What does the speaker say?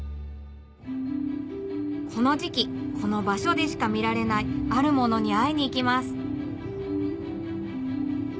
この時季この場所でしか見られないあるものに会いに行きます